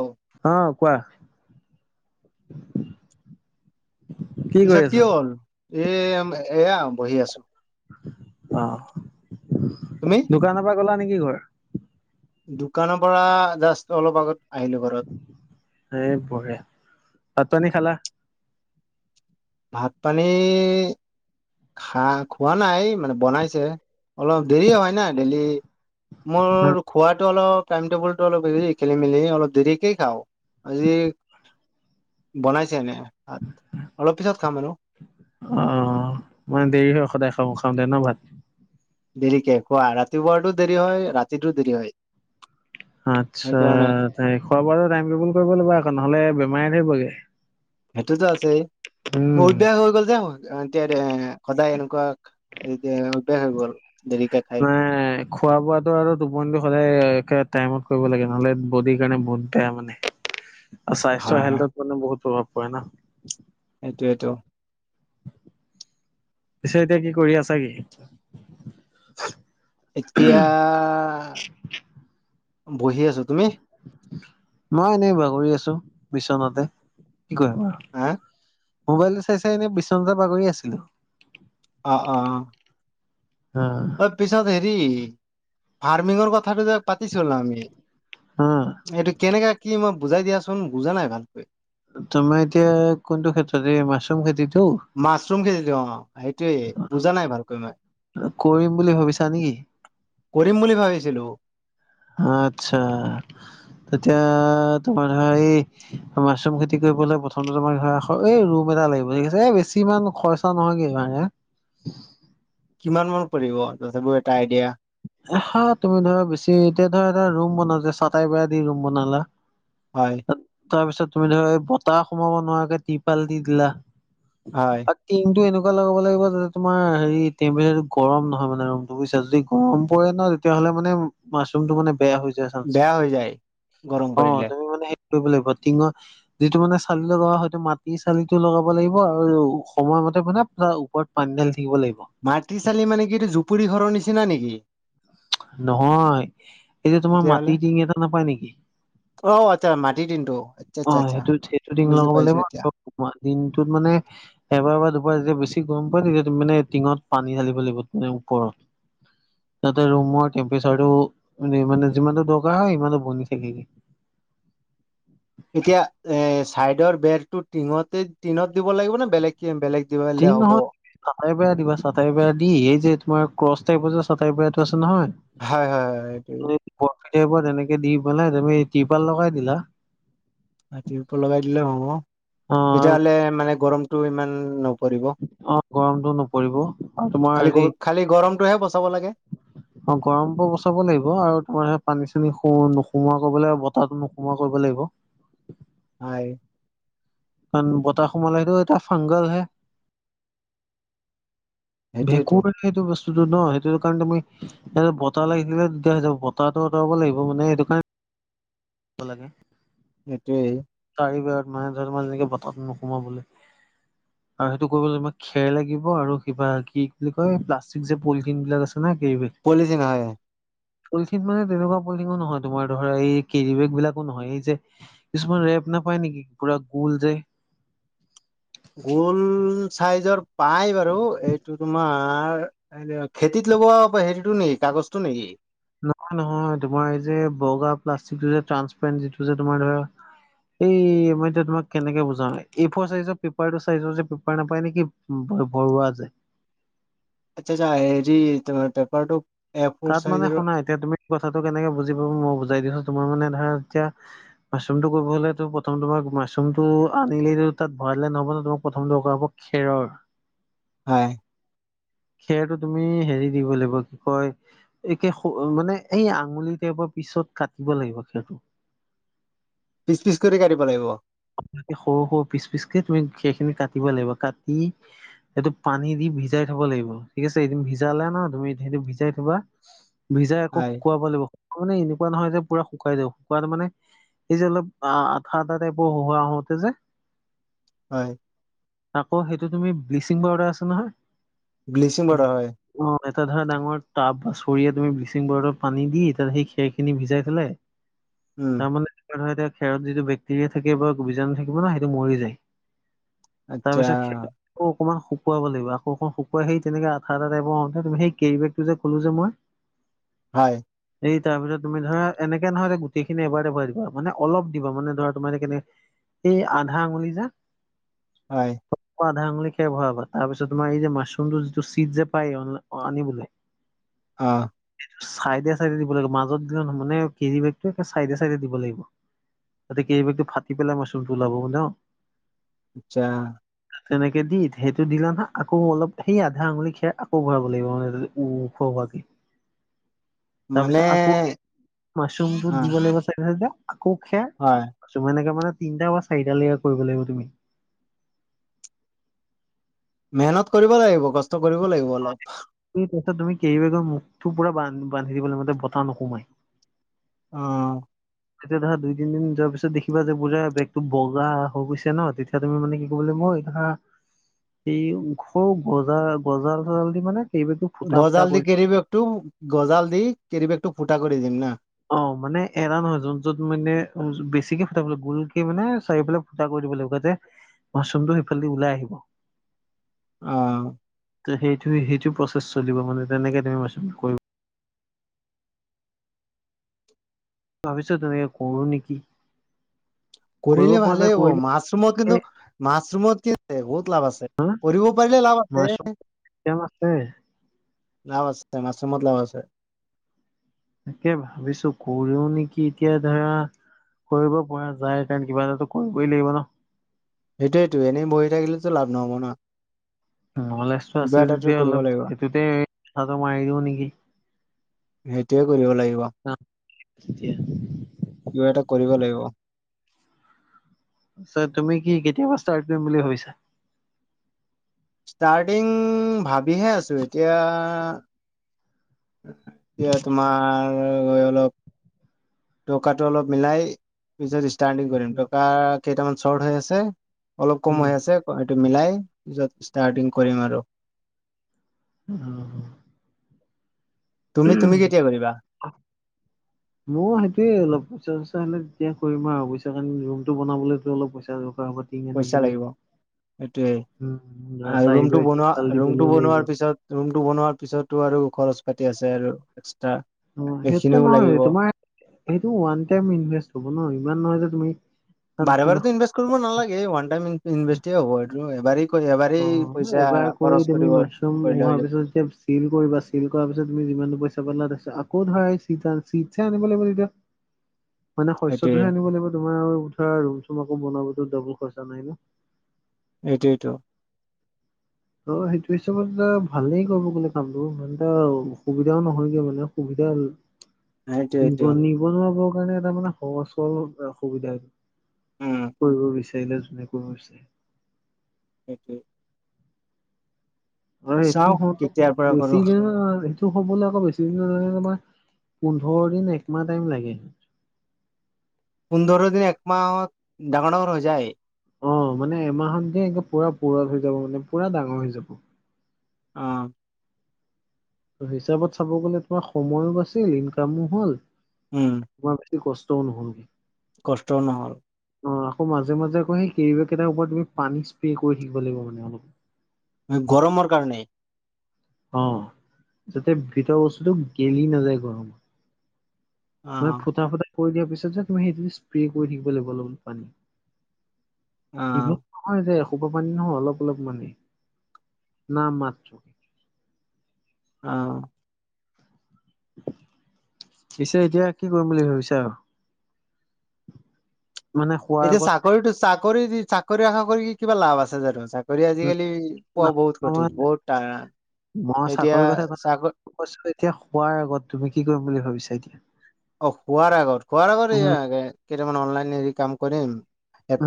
অ, অ', কোৱা। কৰি পিছত কি আছা? হ'ল? এ এয়া বহি আছোঁ। অ', তুমি দোকানৰ পা গ'লা নেকি ঘৰ? দোকানৰ পৰা জাষ্ট অলপ আগত আহিলোঁ ঘৰ। এই বঢ়িয়া, ভাত পানী খালা? ভাত পানী খা খোৱা নাই, মানে বনাইছে, অলপ দেৰি হয়। নাই, ডেইলী মোৰ খোৱাত তো অলপ টাইম টেবুলটো অলপ হেৰি খেলি মেলি অলপ দেৰিকেই খাওঁ আজি বনাইছে এনে ভাত, অলপ পিছত খাম আৰু। অ', মানে দেৰি হয় সদায় খাওঁ খাঁওতে ন ভাত? দেৰিকে খোৱা ৰাতিপুৱাৰটো দেৰি হয়, ৰাতিটো দেৰি হয়। আচ্ছা, সেইকাৰণে খোৱা বোৱাটো টাইম টেবুল কৰিব লবা আকৌ নহ'লে বেমাৰে ধৰিবগে। সেইটোতো আছেই, উম মোৰ অভ্যাস হৈ গল যে। এতিয়া এ সদায় এনেকুৱা এতিয়া অভ্যাস হৈ গ'ল দেৰিকে খাই। নাই খোৱা বোৱাটো আৰু টোপনিটো সদায় একে টাইমত কৰিব লাগে, নহ'লে বডিৰ কাৰণে বহুত বেয়া মানে। স্বাস্থ্য হয় হয় হেল্থত মানে বহুত প্ৰভাৱ পৰে ন। এইটোৱেতো। পিছে এতিয়া কি কৰি আছা কি? এতিয়া বহি আছোঁ, তুমি? মই এনেই বাগৰি আছোঁ, বিচনাতে। কি কৰিম আৰু হা মোবাইলটো চাই চাই এনেই বিচনাতে বাগৰি আছিলোঁ। অ' অ' অ'। উম। অলপ পিছত হেৰি ফাৰ্মিংৰ কথাটো যে পাতিছিলোঁ আমি। অ', এইটো কেনেকে কি মই বুজাই দিয়াচোন, বুজা নাই ভালকৈ। তোমাৰ এতিয়া কোনটো ক্ষেত্ৰত এই মাছৰুম খেতিটো? মাছৰুম খেতিটো অ', সেইটোয়েই বুজা নাই ভালকৈ মই। কৰিম বুলি ভাবিছা নেকি? কৰিম বুলি ভাবিছিলোঁ। আচ্ছা, তেতিয়া তোমাৰ ধৰা এই মাছৰুম খেতি কৰিবলৈ প্ৰথমটো তোমাৰ ধৰা স এই ৰুম এটা লাগিব, ঠিক আছে এই বেছি ইমান খৰচ নহইগে মানে। কিমান মান পৰিব, তথাপিও এটা আইডিয়া। হা তুমি ধৰা বেছি এতিয়া ধৰা, এটা ৰুম বনাওতে চাটাই বেৰা দি ৰুম বনালা। হয়। তাৰপিছত তুমি ধৰা এই বতাহ সোমাব নোৱাৰাকে তিপাল দি দিলা। হয়। আৰু টিংটো এনেকুৱা লগাব লাগিব যাতে তোমাৰ হেৰি টেম্পেচাৰটো গৰম নহয় মানে ৰুমটো বুইছা, যদি গৰম পৰে ন তেতিয়া হ'লে মানে মাছৰুমটো মানে বেয়া হৈ বেয়া হৈ যায় গৰম অ', পৰিলে তুমি মানে সেই কৰিব লাগিব টিঙত যিটো মানে চালি লগাব হয়তো মাটিৰ চালিটো লগাব লাগিব আৰু সময়মতে মানে পুৰা ওপৰত পানী ঢালি থাকিব লাগিব। মাটি চালি মানে কি, এইটো জুপুৰি ঘৰৰ নিচিনা নেকি? নহয়, এই যে তোমাৰ তেতিয়াহ'লে মাটিৰ টিং এটা নাপায় নেকি? অ', আচ্ছা মাটিৰ টিনটো। আচ্ছা অ', আচ্ছা সেইটোত সেইটো টিং বুজি লগাব পাইছো লাগিব এতিয়া আৰু দিনটোত মানে এবাৰ বা দুবাৰ যেতিয়া বেছি গৰম পৰে, তেতিয়া তুমি মানে টিঙত পানী ঢালিব লাগিব মানে ওপৰত। তাতে ৰুমৰ টেম্পেচাৰটো মানে যিমানটো দৰকাৰ হয় সিমানটো বনি থাকেগে। এতিয়া এ চাইডৰ বেৰটো টিঙতে টিনত দিব লাগিব নে বেলেগ বেলেগ যি দিবিলে হ'ব! নহয় চাটাই বেৰা দিবা চাটাই বেৰা দি এই যে তোমাৰ ক্ৰচ টাইপ যে চাটাৰ বেৰাটো আছে নহয়! হয়, হয়, হয়, এইটো। বৰ্ফি টাইপৰ তেনেকে দি পেলাই তুমি তিৰপাল লগাই দিলা। তৰোৱাল লগাই দিলে হ'ব, অ আৰু তেতিয়াহ'লে মানে গৰমতটো ইমান ন অ', গৰমতটো নপৰিব আৰু তোমাৰ খালি গ হেৰি খালি গৰমটোহে বচাব লাগে। অ', গৰম পৰা বচাব লাগিব আৰু তোমাৰ সেই পানী-চানী নোসোমোৱা কৰিব লাগিব বতাহো নোসোমোৱা কৰিব লাগিব। হয়। কাৰন বতাহ সোমালে সেইটো এটা ফাংগল হে। সেইটোয়েতো ভেকুৰ উঠিলে সেইটো বস্তুটো ন' সেইটো কৰণে, তুমি এই বতাহ লাগিলে তেতিয়া হৈ যাব, বতাহটো অতৰাব লাগিব মানে সেইটো কাৰণে [unintelligible] লাগে। সেইটোৱেই। চাৰি বেৰত মানে ধৰা তোমাৰ যেনেকে বতাহটো নোসোমাবলৈ। আৰু সেইটো কৰিবলৈ তোমাক খেৰ লাগিব আৰু কিবা কি বুলি কয়? প্লাষ্টিক যে পলিথিন বিলাক আছে না কেৰিবেগ। পলিথিন হয়। পলিথিন মানে তেনেকুৱা পলিথিনো নহয, তোমাৰ ধৰা এই কেৰিবেগ বিলাকো নহয় এই যে কিছুমান ৰেপ নাপায় নেকি পুৰা গোল যে। গোল চাইজৰ পাই বাৰু এইটো তোমাৰ খেতিত লগোৱা হেৰিতো নেকি কাগজটো নেকি? নহয় নহয়, তোমাৰ এই যে বগা প্লাষ্টিক যে ট্ৰান্সপাৰেণ্ট যিটো যে তোমাৰ ধৰা এই মই এয়া তোমাক কেনেকে বুজাওঁ, এই ফৰ চাইজৰ পেপাৰটো চাইজৰ যে পেপাৰ নাপায় নেকি? বৰুৱা যেয়। আচ্ছা আচ্ছা হেৰি তাৰ পেপাৰটো এ ফৰ তাত মানে চাইজৰ শুনা এতিয়া তুমি কথাটো কেনেকে বুজি পাব মই বুজাই দি আছো, তোমাৰ মানে ধৰা এতিয়া মাছৰুমটো কৰিব হ'লেতো প্ৰথম তোমাক মাছৰুমটো আনিলেইটো তাত ভৰাই দলে নহ'ব তোমাক প্ৰথম দৰকাৰ হ'ব খেৰৰ। হয়। খেৰটো তুমি হেৰি দিবই লাগিব কি কয়! একে মানে এই আঙুলি টাইপৰ পিছত কাটিব লাগিব খেৰটো। পিচ পিচ কৰি কাটিব লাগিব? সৰু সৰু পিচ পিচকে তুমি সেইখিনি কাটিব লাগিব, কাটি এইটো পানী দি ভিজাই থব লাগিব, ঠিক আছে এদিন ভিজালা ন' তুমি সেইটো ভিজাই থবা। ভিজাই আকৌ হয় শুকুৱাব লাগিব। মানে এনেকুৱা নহয় যে পুৰা শুকাই যাও শুকাত মানে এই যে অলপ আঠা আঠা টাইপ। বওঁ আহোতে যে হয়। আকৌ সেইটো তুমি ব্লিচিং, পাউদাৰ আছে নহয়। ব্লিচিং পাউাৰ, হয়। অ এটা ধৰা ডাঙৰ টাব বা চৰিয়া তুমি ব্লিচিং পাউডাৰত, পানী দি তাত সেই খেৰ খিনি ভিজাই থলে উম তাৰমানে খেৰত, যিটো বেক্টেৰিয়া। থাকিব বা বীজাণু, থাকিব ন সেইটো মৰি যায় আচ্ছা তাৰপিছত অকণমান শুকুৱাব লাগিব আকৌকণ শুকুৱাই সেই তেনেকে আঠা আঠ টাইপৰ হওঁতেু সেই কেৰিবেগটো যে ক'লো যে মই [inaudible] হয়। এই তাৰপিছত তুমি ধৰা এনেকে নহয় যে, গোটেই খিনি এাৰ এটা ভৰা দিবা মানে অলপ দিবানে ধৰা তোমাৰএই কিনে আধা আঙুলি যা। হয়। আধা আঙুলি, খাই ভৰাবা তাৰ পিছত তোমাৰ এই যে মাছৰুমটো, যিটো চি যে পায় আনিবলৈ। [unintelligible] অ চাইডে চাইডে দিব লাগিব মাজতনায় মানে কেৰি বেগ চাইডে চাইডে দিব লাগিব। কেৰি বেগটো ফাটি পেলাই মাচৰুম, টো ওলাব ন। আচ্ছা। তেনেকে দি সেইটো দিলা নহয় আকৌ অলপ সেই আধা আঙুলি খাই আকৌ ভৰাব লাগিব মানে। কবাত- তাৰ মানে পিছত আকৌ মাছৰুমতো, অ দিব লাগিব চাগ আকৌ খেৰ হয়। কিছুমানে মাৰ এনেকে মানে তিনিটা বা চাৰিট লৈকে কৰিব লাগিব তুমি মেহনত কৰিব লাগিব কষ্ট কৰিব লাগিব। অলপ ছত তুমি কেইবেগৰ মুখটো পুৰা বান্ধ বান্ধি দিব ল মতে বতাহ নোসোমাই। অ তেতিয়া ধৰা দুই তিনি -দিন যোৱাৰ পিছত দেখিবা যে পুৰা বেগতটো বগা হৈ গৈছে ন তেতিয়া তুমি মানে কি কলে মই হা এই ঘৰু গজাল- গজাল জাল দি মানে কেৰি বেগটো ফুটা ফুটা গজাল দি কৰি কেৰিবেগটো গজাল দি কেৰিবেগটো ফুটা কৰি দিম না। অ মানে এৰা নহয়। যোন য'ত মানে বেছিকে ফুটা গোলকে মানে চাৰিওফালে কৰি দিব লাগিবা মাছৰুমটো, সেইফালেদি ওলাই আহিব। অ ত সেইটো সেইটো প্ৰচেছ চলিব মানে তেনেকে তেওঁ কৰিব। ভাবিছা তেনেকে কৰো নেকি? কৰিব কৰিলে পৰা যায় ভালেই হ'ব কৰিলে মাছৰুমত, কিন্তু এই মাছৰুমত কি আছে বহুত লাভ আছে। কৰিব পাৰিলে লাভ মাছৰুম আছে। কেতিয়াম আছে লাভ আছে মাছৰুমত লাভ আছে। তাকে ভাবিছো কৰিও নেকি এতিয়া ধৰা। কৰিব পৰা যায় কাৰণে কিবা এটা কৰিবই লাগিব ন। সেইটোয়েতটো এনেই বহি থাকিলেতো লাভ নহ'ব ন। নলেজটো আছে কিবা এটাতো তেতিয়া কৰিব অলপ লাগিব সেইটোতে কথাটো মাৰি দিওঁ নেকি? সেইটয়ে কৰিব লাগিব। কেতিয়া কিবা এটা কৰিব লাগিব। চ' তুমি কি, কেতিয়াপা ষ্টাৰ্ট কৰিম বুলি ভাবিছা? ষ্টাৰ্টিং ভাবিহে আছোঁ। এতিয়া, এতিয়া, তোমাৰ অলপ, টকাটো অলপ মিলাই পিছত ষ্টাৰ্টিং কৰিম। টকা কেইটামান চৰ্ট হৈ আছে, অলপ কম উম হৈ আছে। এইটো মিলাই, পিছত ষ্টাৰ্টিং কৰিম আৰু। অ' অ'! তুমি, তুমি কেতিয়া কৰিবা? [inaudible] মইয়ো সেইটোৱে অলপ, পইচা-চইচা হ'লে, তেতিয়া কৰিম আৰু। অৱশ্যে কাৰণ, ৰুমটো বনাবলেতো অলপ পইচা দৰকাৰ হ'ব। টিং পইচা আনিবলৈ লাগিব। সেইটোৱেই! উম আৰু ৰুমটো চাৰিবাৰ বনোৱা, টিংপাল ৰুমটো দিবলৈও লাগিব বনোৱাৰ পিছত ৰুমটো বনোৱাৰ পিছতো আৰু খৰচ-পাতি আছে আৰু এক্সট্ৰা। অ'! সেইটো সেইখিনিও নহয়। লাগিব তোমাৰ, সেইটো ওৱান টাইম ইনভেষ্ট ন'। ইমান নহয় যে, তুমি তাত তুমি বাৰে-বাৰেতো ইনভেষ্ট কৰিব নালাগে। ওৱান টাইম ইনভেষ্ট হ'ব, এইটো এবাৰে। অ'! এবাৰ কৰি তুমি, মাচৰুম কৰিলে হৈ হোৱাৰ যাব পিছত যেতিয়া, চিল কৰিবা, চিল কৰাৰ পিছত, তুমি যিমানটো পইচা পালা, তাৰপিছত, আকৌ ধৰা, [unintelligible] চিডছে আনিব লাগিব, তেতিয়া। [inaudible] মানে, সেইটোৱে শস্যটোহে আনিব লাগিব। তোমাৰ আৰু ধৰা, ৰুম-চুম আকৌ, বনোৱা পিছত, ডাবল খৰচা নাই ন'। এইটো-এইটো। অ'! সেইটো হিচাপত মানে, ভালেই ক'ব গ'লে, কামটো। ইমান এটা অসুবিধাও নহয়গে মানে। সুবিধা নিব, সেইটোৱেইটো নিবনুৱাবোৰৰ কাৰণে, এটা মানে, সহজ- সৰল অসুবিধা এইটো। উম কৰিব বিচাৰিলে, যোনে কৰিব বিচাৰে। সেইটোৱে। [unintelligible] এইটো চাওঁ কেতিয়াৰ পৰা কৰো হ'বলে আকৌ, বেছি দিন নালাগে তোমাৰ, পোন্ধৰ দিন, একমাহ টাইম লাগে। পোন্ধৰ দিন, একমাহত ডাঙৰ-ডাঙৰ হৈ যায়? অ'! মানে, এমাহত দিয়ে, একে পূৰা পূৰঠ হৈ যাব। মানে, পূৰা ডাঙৰ হৈ যাব। অ'! ত' হিচাপত চাব গ'লে, তোমাৰ সময়ো বাছিল, ইনকামো হ'ল। উম! তোমাৰ বেছি কষ্টও নহ'লগে। কষ্ট নহ'ল। অ'! আকৌ মাজে-মাজে, আকৌ সেই, কেৰি বেগ কেইটাৰ ওপৰত তুমি, পানী স্প্ৰে কৰি থাকিব লাগিব মানে, অলপ। গৰমৰ কাৰণে? অ'! যাতে, ভিতৰৰ বস্তুটো গেলি নাযায়, গৰমত। অ মানে, ফুটা-ফুটা কৰি দিয়াৰ পিছত যে, তুমি সেইটো স্প্ৰে কৰি থাকিব লাগিব, অলপ-অলপ পানী। অ'! [unintelligible] যে, এসোপা পানী নহয়, অলপ-অলপ মানে, নাম মাত্ৰ। অ'! পিছে, এতিয়া কি কৰিম বুলি ভাবিছা আৰু? এতিয়া, চাকৰিটো, চাকৰি-চাকৰি আশা কৰি কিবা লাভ আছে জানোঁ! চাকৰি আজিকালি, পোৱা বহুত কঠিন, বহুত টান! এতিয়া, চাকৰি কোৱাচোন এতিয়া, শুৱাৰ আগত তুমি, কি কৰিম বুলি ভাবিছা এতিয়া? অ'! শুৱাৰ আগত, শুৱাৰ আগত উম এইয়া, কেইটামান অনলাইন সেৰি কাম কৰিম,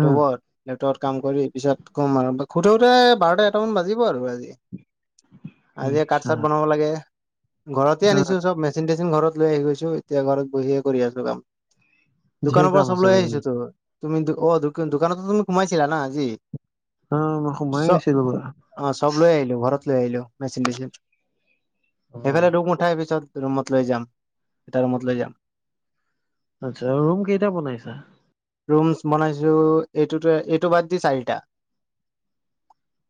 উম লেপটত কাম কৰি, পিছত শুম আৰু। শুতে-শুতে বাৰটা, এটামান বাজিব আৰু আজি। উহ। আজিয়ে কাঠ চাঠ বনাব লাগে ঘৰতে অ আনিছোঁ চব মেচিন তেচিন ঘৰত লৈ আহি গৈছো। এতিয়া ঘৰত বহিয়ে কৰি আছো কাম ঢেৰ দোকানৰ কাম পৰা চব আছে লৈ মানে আহিছোঁ তো। তুমিতো অ দোকানতো তুমি সোমাইছিলা না আজি। অহ। চ অহ চব লৈ আহিলোঁ ঘৰত লৈ আহিলোঁ মেচিন তেচিন। অ সেইফালে তোক মই উঠাই পিছত ৰুমত লৈ যাম। তাৰ ৰুমত লৈ যাম। আচ্ছা ৰুম কেইটা বনাইছা। ৰুমচ বনাইছোঁ এইটোতে এইটো বাদ দি চাৰিটা।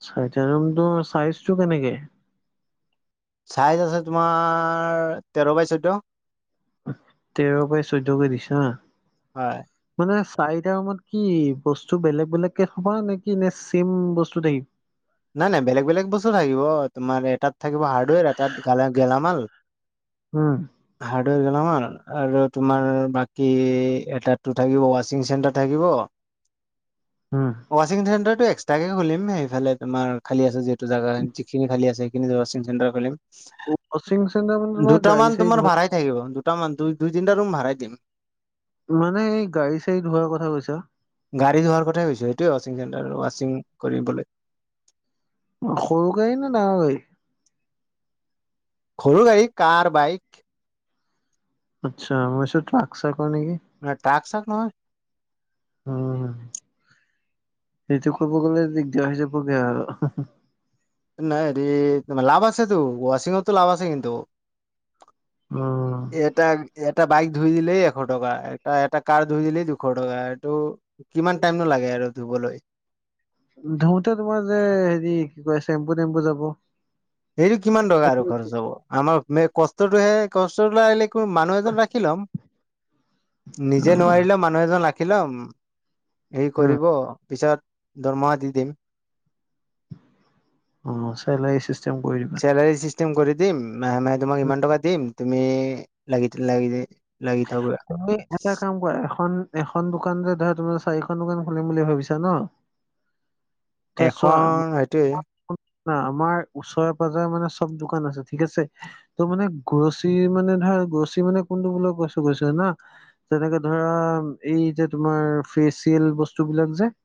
চৰিটা ৰুমটো চাইজটো কেনেকে। চাইজ আছে তোমাৰ তেৰ বাই চৈধ্য। অহ তেৰ বাই চৈধ্যকৈ দিছা। হয় মানে চাৰিটা ৰুমত কি বস্তু বেলেগ বেলেগ কে ঠোৱা নে কি নে চেম বস্তু থাকি। নাই নাই বেলেগ বেলেগ বস্তু থাকিব তোমাৰ এটাত থাকিব হাৰ্ডৱেৰ এটাত কালা গেলামাল। উম। হাৰ্ডৱেৰ গেলামাল আৰু তোমাৰ বাকী এটা তো থাকিব ৱাচিং চেণ্টাৰ। থাকিব। উম। ৱাচিং চেণ্টাৰটো এক্সট্ৰাকে খুলিম সেইফালে তোমাৰ খালী আছে যিহেতু জাগা যিখিনি খালী আছে। সেইখিনিত জেগাত ৱাচিং চেন্টাৰ খুলিম। উব ৱাচিং চেন্টাৰ মানে তোমাৰ দুটামান গাড়ী চাড়ী তোমাৰ ধুৱা। ভাড়াই থাকিব দুটা মান দুই দুই তিনিটা ৰুম ভাড়াই দিম। মানে এই গাড়ী চাড়ী ধোৱাৰ কথা কৈছা। গাড়ী ধোৱাৰ কথাই কৈছো সেইটোৱে ৱাচিং চেণ্টাৰ ৱাচিং কৰিবলে। সৰু গাড়ী নে ডাঙৰ গাড়ী। সৰু গাড়ী কাৰ বাইক। আচ্ছা মই ভাবিছো ট্ৰাক চাক কৰ নেকি। মানে ট্ৰাক চাক নহয়। উম। সেইটো ক'ব গ'লে দিগদাৰ হৈ যাবগে আও হুহ। নাই ৰে তোমাৰ লাভ আছেতো ৱাচিংতো লাভ আছে কিন্তু। উম। এটা এটা বাইক ধুই দিলেই এশ টকা এটা এটা কাৰ ধুই দিলেই দুশ টকা এইটো। কিমান টাইম নো লাগে আৰু ধুবলৈ। ধোওঁতে তোমাৰ যে হেৰি কি কয় চেম্পু টেম্পু যাব। সেইটো কিমান টকা আৰু খৰচ হব আমাৰ মে কষ্ট। তো হে কষ্ট নোৱাৰিলে কোনো মানুহ এজন ৰাখি লম নিজে নোৱাৰিলে মা। মানুহ এজন ৰাখি ল'ম সি উম কৰিব পিছত দৰমহা দি দিম। অহ চেলাৰি চিষ্টেম কৰি দিবা। চেলাৰী চিষ্টেম কৰি দিম মাহে মাহে তোমাক ইমান টকা দিম তুমি লাগি লাগি লাগি থাকা। তুমি এটা কাম কৰা এখন এখন দোকান যে ধৰা তোমাৰ চাৰিখন দোকান খুলিম বুলি ভাবিছা ন। তে চোৱা। এখন সেইটোৱে হ'ল না আমাৰ ওচৰে পাজৰে মানে চব দোকান আছে ঠিক আছে। ত' মানে গৰচি মানে ধৰা গৰচি মানে কোনটো বোল কৈছ। টো কৈছে যানা তেনেকে ধৰা এই যে তোমাৰ ফেচিয়েল বস্তু বিলাক যে।